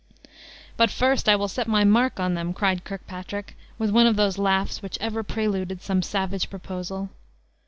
"But first I will set my mark on them!" cried Kirkpatrick, with one of those laughs which ever preluded some savage proposal.